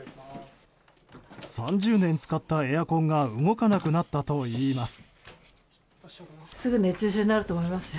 ３０年使ったエアコンが動かなくなったといいます。